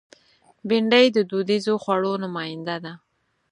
بېنډۍ د دودیزو خوړو نماینده ده